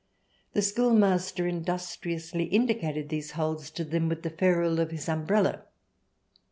The schoolmaster industriously indi cated these holes to them with the ferrule of his umbrella.